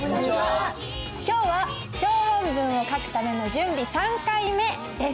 今日は小論文を書くための準備３回目です。